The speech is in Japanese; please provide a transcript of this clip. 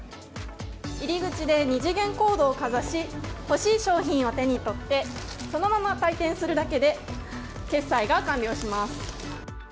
入り口で二次元コードをかざし欲しい商品を手に取ってそのまま退店するだけで決済が完了します。